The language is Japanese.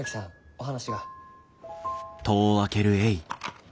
お話が。